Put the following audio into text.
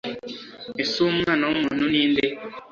Ese uwo Mwana w'umuntu ni nde?»